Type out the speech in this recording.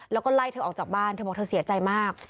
แล้วก็ไล่เธอออกจากบ้านเธอบอกเธอเสียใจมาก